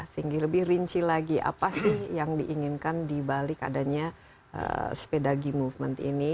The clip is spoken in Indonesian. sehingga lebih rinci lagi apa sih yang diinginkan dibalik adanya sepeda ge movement ini